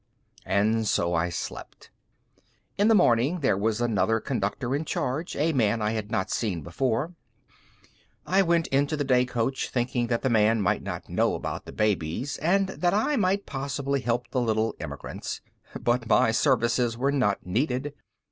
And so I slept. In the morning there was another Conductor in charge, a man I had not before seen. I went into the day coach, thinking that the man might not know about the babies, and that I might possibly help the little immigrants. But my services were not needed.